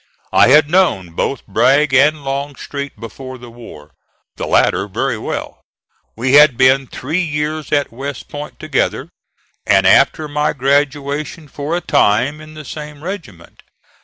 I had known both Bragg and Longstreet before the war, the latter very well. We had been three years at West Point together, and, after my graduation, for a time in the same regiment.